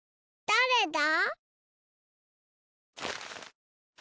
だれだ？